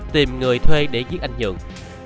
tìm người thuê để giết anh nhượng